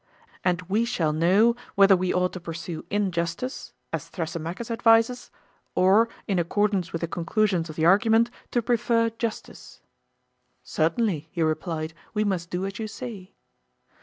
And we shall know whether we ought to pursue injustice, as Thrasymachus advises, or in accordance with the conclusions of the argument to prefer justice. Certainly, he replied, we must do as you say.